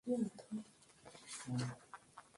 Kazi ni kazi